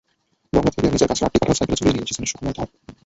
লংলা থেকে নিজের গাছের আটটি কাঁঠাল সাইকেলে ঝুলিয়ে নিয়ে এসেছেন সুখময় ধর।